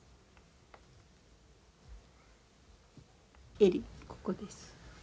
襟ここです。